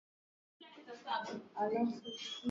na hali kadhalika amboka andere ambae ni mchanganuzi wa mambo